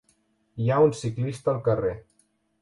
Hi ha un ciclista al carrer.